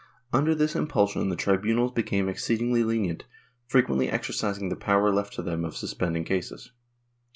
Under this impulsion, the tribunals became exceedingly lenient, frequently exercising the power left to them of suspending cases.